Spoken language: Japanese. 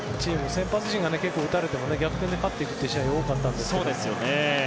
先発陣が結構打たれても逆転で勝っていくという試合が多かったので。